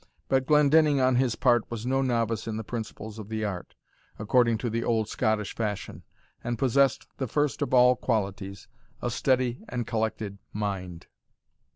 But Glendinning, on his part, was no novice in the principles of the art, according to the old Scottish fashion, and possessed the first of all qualities, a steady and collected mind.